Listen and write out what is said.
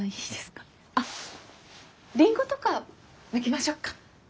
あっりんごとかむきましょうか。